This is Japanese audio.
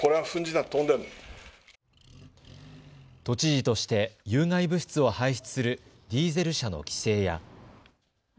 都知事として有害物質を排出するディーゼル車の規制や。